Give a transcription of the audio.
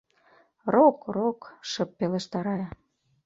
— Рок, рок... — шып пелешта Рая.